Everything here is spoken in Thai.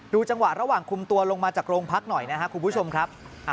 จังหวะระหว่างคุมตัวลงมาจากโรงพักหน่อยนะครับคุณผู้ชมครับ